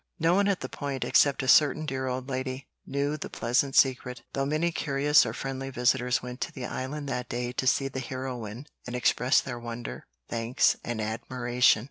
No one at the Point, except a certain dear old lady, knew the pleasant secret, though many curious or friendly visitors went to the Island that day to see the heroine and express their wonder, thanks, and admiration.